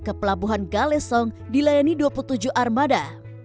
ke pelabuhan galesong dilayani dua puluh tujuh armada